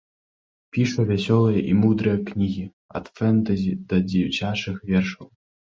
Піша вясёлыя і мудрыя кнігі, ад фэнтэзі да дзіцячых вершаў.